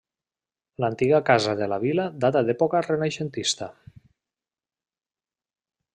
L'antiga casa de la Vila data d'època renaixentista.